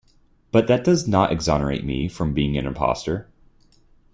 But that does not exonerate me from being an impostor.